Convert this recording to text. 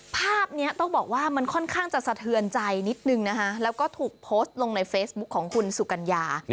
ภาพนี้ต้องบอกว่ามันค่อนข้างจะสะเทือนใจนิดนึงนะคะแล้วก็ถูกโพสต์ลงในเฟซบุ๊คของคุณสุกัญญา